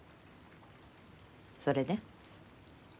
それで？